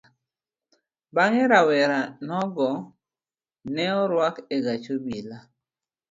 Bang'e rawera nogo ne orwak egach obila.